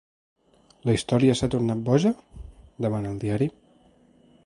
La història s’ha tornat boja?, demana el diari.